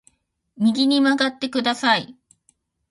右に曲がってください